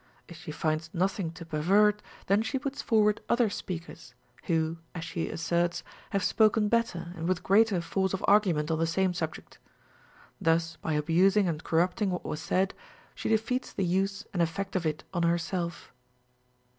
If she finds nothing to pervert, then she puts forward other speakers, who (as she asserts) have spoken better and with greater force of argument on the same subject. Thus, by abusing and corrupting Avhat was said, she defeats the use and effect of it on herself.